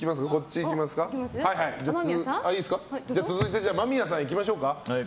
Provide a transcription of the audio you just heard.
続いて、間宮さん行きましょう。